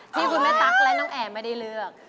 ที่คุณแม่ตั๊กและน้องแอร์ไม่ได้เลือก